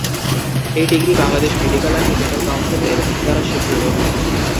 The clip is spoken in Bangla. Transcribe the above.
এই degree Bangladesh medical and dental কাউন্সিল-এর দ্বারা স্বীকৃত।